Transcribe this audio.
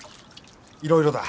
いろいろだ。